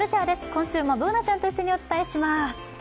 今週もＢｏｏｎａちゃんと一緒にお伝えします。